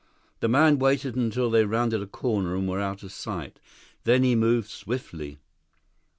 The man waited until they rounded a corner and were out of sight. Then he moved swiftly.